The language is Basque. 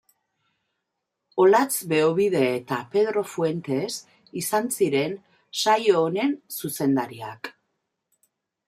Olatz Beobide eta Pedro Fuentes izan ziren saio honen zuzendariak.